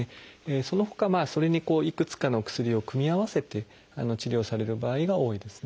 そのほかそれにいくつかの薬を組み合わせて治療される場合が多いですね。